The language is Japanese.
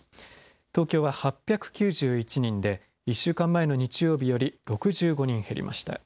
東京は８９１人で、１週間前の日曜日より６５人減りました。